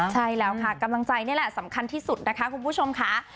ใช่แล้วค่ะกำลังใจนี่แหละสำคัญที่สุดนะคะคุณผู้ชมค่ะ